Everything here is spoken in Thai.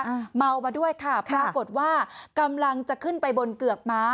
อ่าเมามาด้วยค่ะปรากฏว่ากำลังจะขึ้นไปบนเกือกม้า